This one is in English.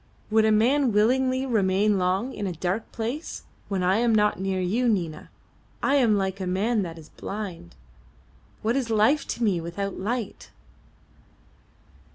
"Would a man willingly remain long in a dark place? When I am not near you, Nina, I am like a man that is blind. What is life to me without light?"